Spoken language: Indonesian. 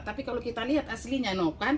tapi kalau kita lihat aslinya noken